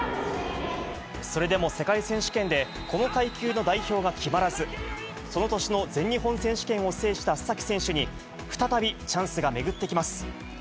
それでも世界選手権でこの階級の代表が決まらず、その年の全日本選手権を制した須崎選手に、再びチャンスが巡ってきます。